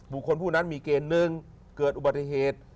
ผู้นั้นมีเกณฑ์หนึ่งเกิดอุบัติเหตุ